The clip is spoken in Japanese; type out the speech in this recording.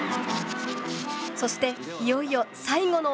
そしていよいよ最後の大技。